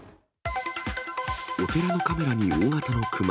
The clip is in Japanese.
お寺のカメラに大型のクマ。